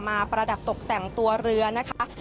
ประดับตกแต่งตัวเรือนะคะ